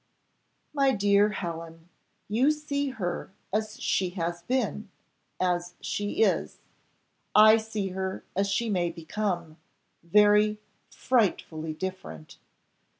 "My dear Helen, you see her as she has been as she is. I see her as she may become very frightfully different.